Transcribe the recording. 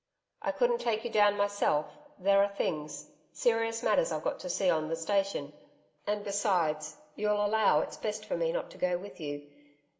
'I couldn't take you down myself. There are things serious matters I've got to see to on the station. And besides, you'll allow it's best for me not to go with you.